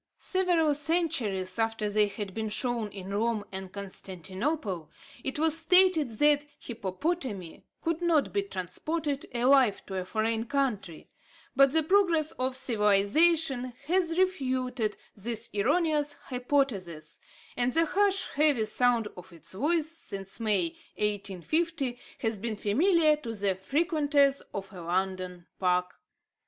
Several centuries after they had been shown in Rome and Constantinople, it was stated that hippopotami could not be transported alive to a foreign country; but the progress of civilisation has refuted this erroneous hypothesis, and the harsh, heavy sound of its voice, since May, 1850, has been familiar to the frequenters of a London park.